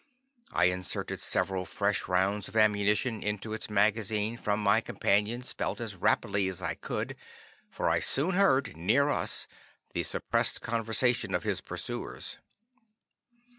I inserted several fresh rounds of ammunition into its magazine from my companion's belt, as rapidly as I could, for I soon heard, near us, the suppressed conversation of his pursuers.